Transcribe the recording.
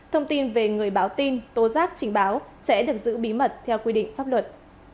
thông tin về người báo tin tố giác trình báo sẽ được giữ bí mật theo quy định pháp luật